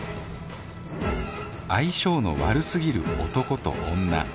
相性の悪すぎる男と女。